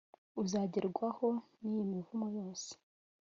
uzagerwaho n’iyi mivumo yose: